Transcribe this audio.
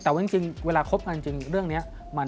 แต่ว่าจริงเวลาคบกันจริงเรื่องนี้